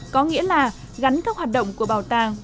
có nghĩa là gắn các hoạt động của bảo tàng